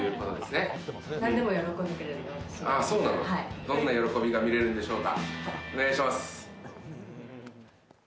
どんな喜びが見れるんでしょうか。